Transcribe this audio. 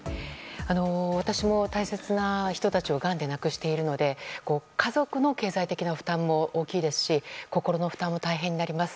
私も大切な人たちをがんで亡くしているので家族の経済的な負担も大きいですし心の負担も大変になります。